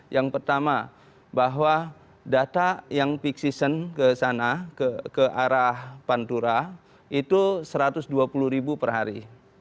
yang pertama bahwa data yang peak season ke sana ke arah pantura itu satu ratus dua puluh ribu per hari